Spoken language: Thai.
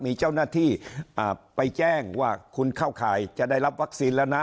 มีเจ้าหน้าที่ไปแจ้งว่าคุณเข้าข่ายจะได้รับวัคซีนแล้วนะ